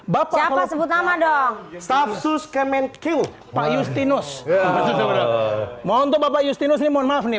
bapak sebut nama dong stafsus kemenkil pak justinus mohon bapak justinus mohon maaf nih